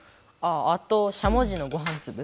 あとしゃもじのごはんつぶ。